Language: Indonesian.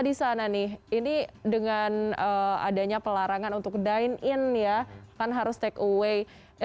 ini dengan adanya pelarangan untuk dine in ya kan harus take away